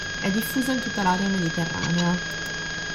È diffusa in tutta l'area mediterranea.